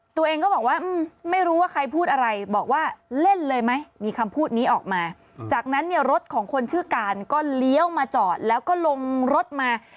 ตัวเองก็บอกว่าไม่รู้ว่าใครพูดอะไรบอกว่าเล่นเลยไหมมีคำพูดนี้ออกมาจากนั้นเนี่ยรถของคนชื่อการก็เลี้ยวมาจอดแล้วก็ลงรถมา